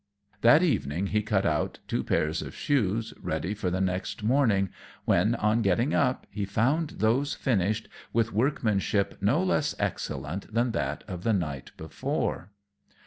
That evening he cut out two pairs of shoes, ready for the next morning, when, on getting up, he found those finished, with workmanship no less excellent than that of the night before.